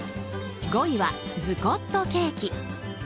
５位は、ズコットケーキ。